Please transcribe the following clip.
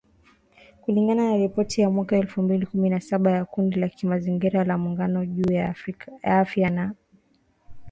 kulingana na ripoti ya mwaka elfu mbili kumi na saba ya kundi la kimazingira la Muungano juu ya Afya na Uchafuzi.